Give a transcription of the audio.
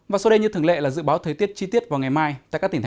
và sau đây như thường lệ là dự báo thời tiết chi tiết vào ngày mai